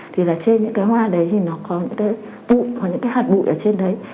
thì là trên những cái hoa đấy thì nó có những cái hạt bụi ở trên đấy